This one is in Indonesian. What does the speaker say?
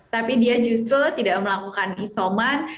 tapi dia justru tidak melakukan isoman